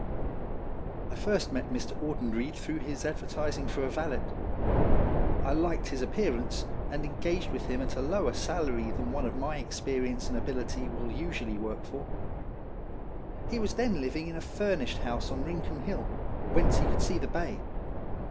1 first met Mr. Audenried through his adver tising for a valet. I liked his appearance, and engaged with him at a lower salary than one of my experience and ability will usually work for. He was then living in a furnished house on Rincon Hill, whence he could see the bay.